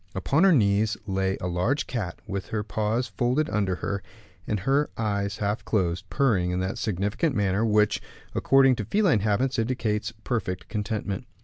Upon her knees lay a large cat, with her paws folded under her, and her eyes half closed, purring in that significant manner which, according to feline habits, indicates perfect contentment.